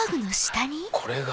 これが。